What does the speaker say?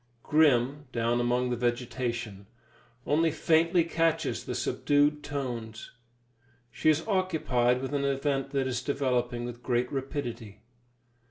Grim, down among the vegetation, only faintly catches the subdued tones; she is occupied with an event that is developing with great rapidity.